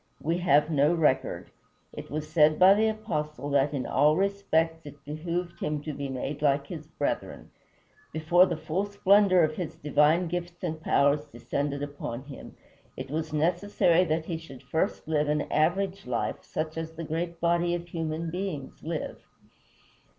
We have no record. It was said by the Apostle that "in all respects it behooved him to be made like his brethren." Before the full splendor of his divine gifts and powers descended upon him, it was necessary that he should first live an average life, such as the great body of human beings live.